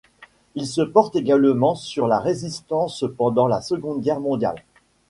Il se porte également sur la résistance pendant la seconde guerre mondiale.